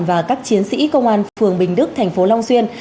và các chiến sĩ công an phường bình đức thành phố long xuyên